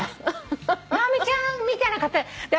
直美ちゃんみたいな方。